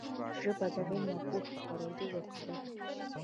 ژبه د علم او پوهې د خپرېدو وسیله ده.